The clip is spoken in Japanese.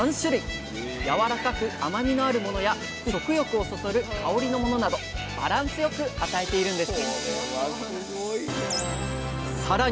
やわらかく甘みのあるものや食欲をそそる香りのものなどバランスよく与えているんです